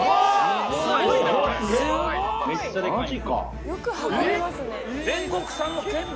すごいな！